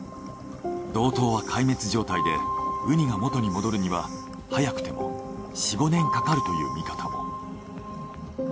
道東は壊滅状態でウニが元に戻るには早くても４５年かかるという見方も。